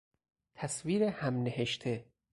تصویر همنهشته